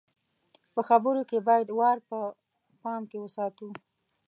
په خبرو کې بايد وار په پام کې وساتو.